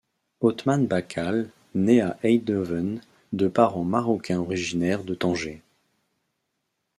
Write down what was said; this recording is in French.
Otman Bakkal naît à Eindhoven de parents marocains originaires de Tanger.